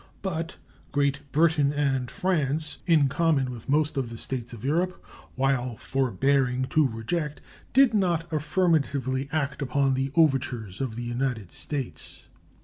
But Great Britain and France, in common with most of the States of Europe, while forbearing to reject, did not affirmatively act upon the overtures of the United States.